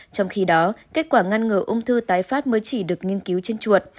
trong khi đó kết quả ngăn ngừa ung thư tái phát mới chỉ được nghiên cứu trên chuột